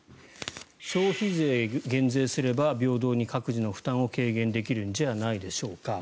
消費税減税すれば平等に各自の負担を軽減できるんじゃないでしょうか。